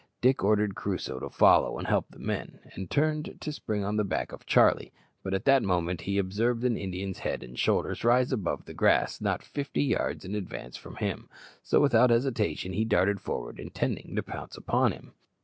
Dick ordered Crusoe to follow and help the men, and turned to spring on the back of Charlie; but at that moment he observed an Indian's head and shoulders rise above the grass, not fifty yards in advance from him, so without hesitation he darted forward, intending to pounce upon him.